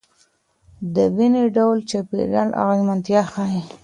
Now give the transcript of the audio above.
دویني ډول چاپیریال اغېزمنتیا ښيي.